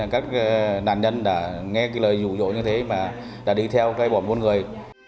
các nạn nhân đã nghe lời dù dỗ như thế và đã đi theo bọn buôn người